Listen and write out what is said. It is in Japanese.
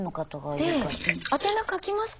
で宛名書きますか？